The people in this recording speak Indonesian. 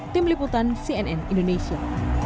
tim liputan cnn indonesia